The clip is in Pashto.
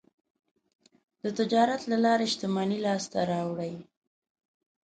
د تجارت له لارې شتمني لاسته راوړي.